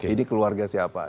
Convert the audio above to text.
ini keluarga siapa